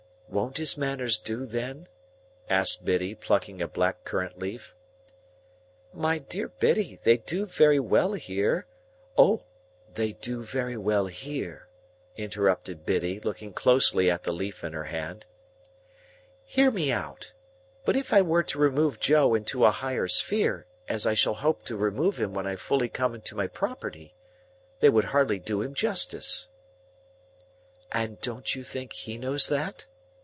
won't his manners do then?" asked Biddy, plucking a black currant leaf. "My dear Biddy, they do very well here—" "O! they do very well here?" interrupted Biddy, looking closely at the leaf in her hand. "Hear me out,—but if I were to remove Joe into a higher sphere, as I shall hope to remove him when I fully come into my property, they would hardly do him justice." "And don't you think he knows that?"